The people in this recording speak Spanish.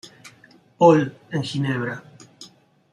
Paul, en Ginebra.